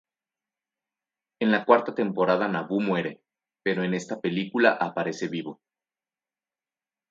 En la cuarta temporada Nabu muere, pero en esta película aparece vivo.